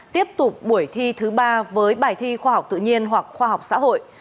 tiếp tục buổi thi thứ ba với bài thi khoa học tự nhiên hoặc khoa học xã hội